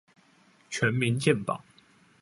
全民健保